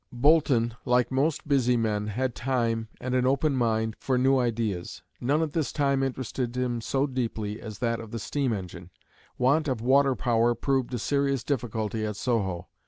Boulton, like most busy men, had time, and an open mind, for new ideas. None at this time interested him so deeply as that of the steam engine. Want of water power proved a serious difficulty at Soho.